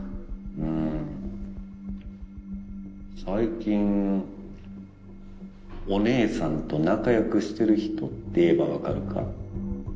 んん最近お姉さんと仲よくしてる人って言えば分かるか？